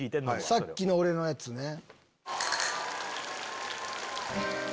さっきの俺のやつね。